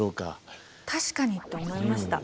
確かにと思いました。